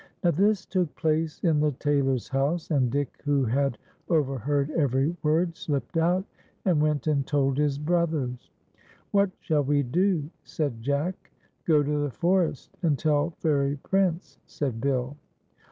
Now this took place in the tailor's house, and Dick, who had overheard every word, slipped out, and went and told his brothers. " What shall we do }" said Jack. " Go to the forest and tell Fairy Prince," said Bill.